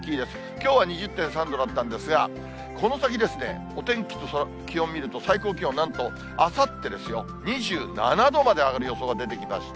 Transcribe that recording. きょうは２０．３度だったんですが、この先、お天気と気温見ると、最高気温なんと、あさってですよ、２７度まで上がる予想が出てきました。